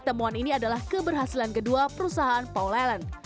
temuan ini adalah keberhasilan kedua perusahaan paul lalen